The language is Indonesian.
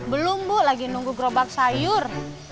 belum bu lagi nunggu gerobak sayur